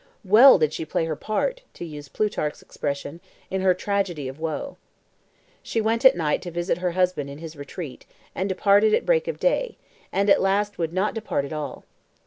"Well did she play her part," to use Plutarch's expression, "in her tragedy of woe." She went at night to visit her husband in his retreat, and departed at break of day; and at last would not depart at all.